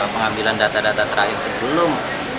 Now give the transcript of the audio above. pengambilan data data terakhir sebelum